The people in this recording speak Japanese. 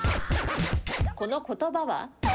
この言葉は？